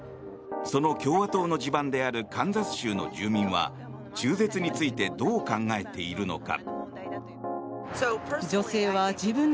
その共和党の地盤であるカンザス州の住民は中絶についてどう考えているのか。